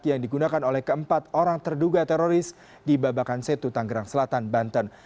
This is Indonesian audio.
yang digunakan oleh keempat orang terduga teroris di babakan setu tanggerang selatan banten